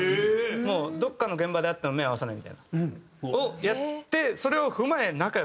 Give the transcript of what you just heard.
もうどこかの現場で会っても目合わさないみたいな。をやってそれを踏まえ仲良くなって。